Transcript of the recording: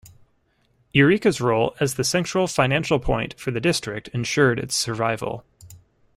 Eureka's role as the central financial point for the district ensured its survival.